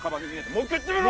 もう一回言ってみろ！